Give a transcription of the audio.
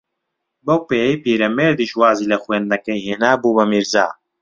بەو پێیەی پیرەمێردیش وازی لە خوێندنەکەی ھێنا، بوو بە میرزا